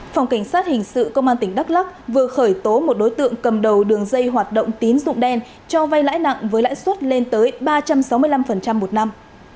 phòng cảnh sát hình sự công an tỉnh đắk lắc vừa khởi tố một đối tượng cầm đầu đường dây hoạt động tín dụng đen cho vay lãi nặng với lãi suất lên tới ba trăm sáu mươi năm một năm